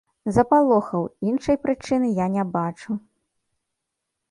Запалохаў, іншай прычыны я не бачу.